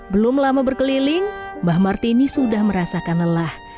belum lama berkeliling mbah martini sudah merasakan lelah